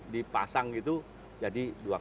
dipasang gitu jadi dua empat